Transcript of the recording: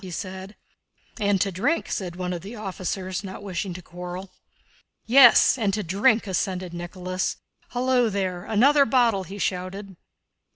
said he. "And to drink," said one of the officers, not wishing to quarrel. "Yes, and to drink," assented Nicholas. "Hullo there! Another bottle!" he shouted.